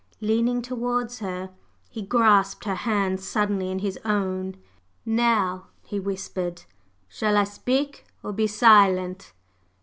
Leaning towards her, he grasped her hands suddenly in his own. "Now," he whispered, "shall I speak or be silent?"